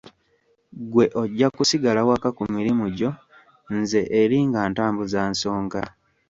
Ggwe ojja kusigala waka ku mirimu gyo nze eri nga ntambuza nsonga.